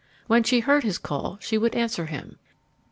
When she heard his call she would answer him.